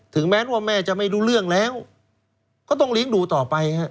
แม้ว่าแม่จะไม่รู้เรื่องแล้วก็ต้องเลี้ยงดูต่อไปฮะ